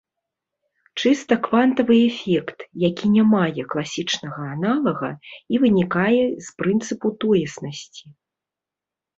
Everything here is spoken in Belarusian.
Чыста квантавы эфект, які не мае класічнага аналага і вынікае з прынцыпу тоеснасці.